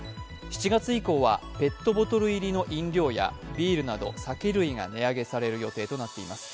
７月以降はペットボトル入りの飲料やビールなど酒類が値上げされる予定となっています。